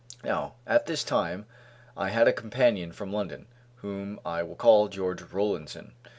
Now, at this time I had a companion from London, whom I will call George Rollinson.